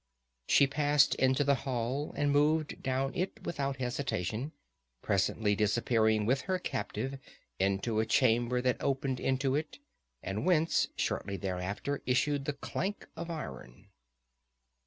She passed into the hall and moved down it without hesitation, presently disappearing with her captive into a chamber that opened into it, and whence shortly thereafter issued the clank of iron.